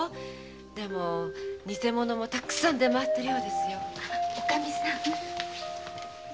でもニセ物もたくさん出回ってるようですよ。